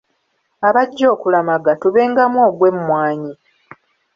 Abajja okulamaga tubengamu ogw’emmwanyi.